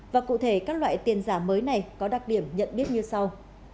và cụ thể các loại tiền giả mới này có đặc điểm nhận biết như sau